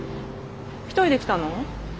１人で来たの？